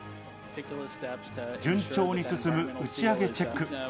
順調に進む打ち上げチェック。